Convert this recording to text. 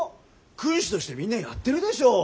君子としてみんなやってるでしょう。